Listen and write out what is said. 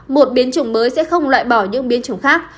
một biến chủng mới sẽ không loại bỏ những biến chủng khác